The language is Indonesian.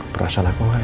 perasaan aku gak enak